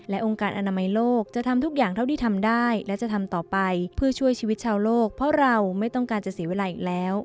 องค์การอนามัยโลกจะทำทุกอย่างเท่าที่ทำได้และจะทำต่อไปเพื่อช่วยชีวิตชาวโลกเพราะเราไม่ต้องการจะเสียเวลาอีกแล้ว